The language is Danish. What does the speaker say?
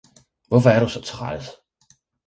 Hvorfor er du så træls?